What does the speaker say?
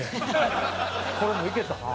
これもいけたな。